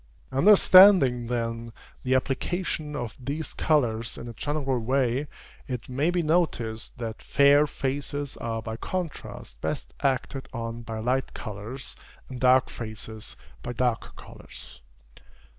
Understanding, then, the application of these colors in a general way, it may be noticed, that fair faces are by contrast best acted on by light colors, and dark faces by darker colors.